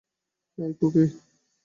হেই, Khuki.